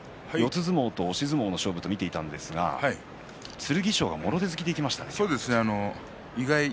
相撲と押し相撲の勝負と見ていたんですけども剣翔がもろ手突きでいきましたね。